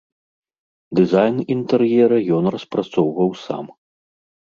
Дызайн інтэр'ера ён распрацоўваў сам.